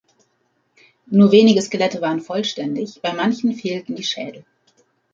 Nur wenige Skelette waren vollständig, bei manchen fehlten die Schädel.